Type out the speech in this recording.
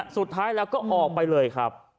สุดท้ายแล้วก็ออกไปเลยครับ